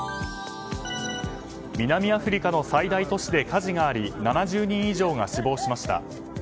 南アフリカの最大都市で火事があり７０人以上が死亡しました。